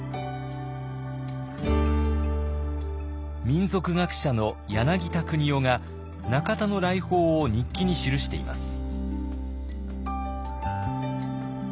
民俗学者の柳田国男が中田の来訪を日記に記しています。